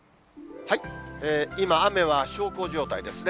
今、雨は小康状態ですね。